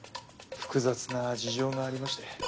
複雑な事情がありまして。